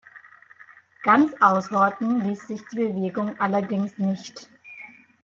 Ganz ausrotten ließ sich die Bewegung allerdings nicht.